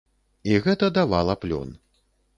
І гэта давала плён.